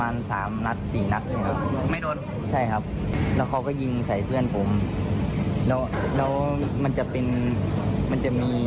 อายุ๑๐ปีนะฮะเขาบอกว่าเขาก็เห็นตอนที่เพื่อนถูกยิงนะครับทีแรกพอเห็นถูกยิงนะครับ